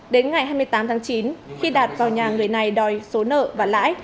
đến ngày hai mươi tám tháng chín khi đạt vào nhà người này đòi số nợ và lãi